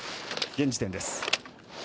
現時点です。